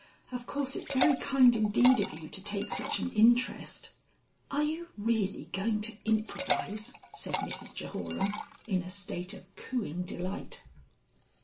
Of course it's very kind indeed of you to take such an interest " "Are you really going to improvise?" said Mrs Jehoram in a state of cooing delight.